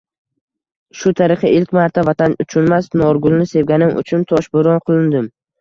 Shu tariqa ilk marta Vatan uchunmas, Norgulni sevganim uchun toshbo’ron qilindim.